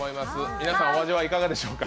皆さん、お味はいかがでしょうか？